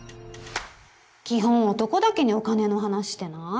基本男だけにお金の話してない？